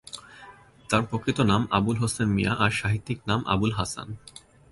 তার প্রকৃত নাম আবুল হোসেন মিয়া আর সাহিত্যিক নাম আবুল হাসান।